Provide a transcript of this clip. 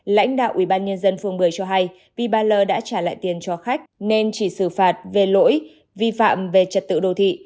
lãnh đạo ubnd phường một mươi cho hay vì bà l đã trả lại tiền cho khách nên chỉ xử phạt về lỗi vi phạm về trật tự đồ thị